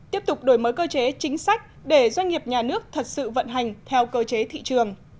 tiếp tục đổi mới cơ chế chính sách để doanh nghiệp nhà nước thật sự vận hành theo cơ chế thị trường